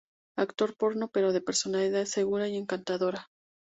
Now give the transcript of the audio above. Actor porno, pero de personalidad segura y encantadora.